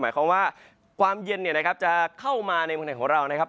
หมายความว่าความเย็นจะเข้ามาในเมืองไทยของเรานะครับ